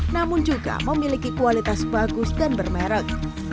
namun juga memiliki kualitas bagus dan bermerek